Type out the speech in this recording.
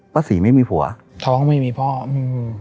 ศรีไม่มีผัวท้องไม่มีพ่ออืม